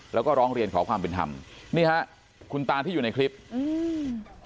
แล้วก็ร้องเรียนขอความเป็นธรรมนี่ฮะคุณตาที่อยู่ในคลิปอืม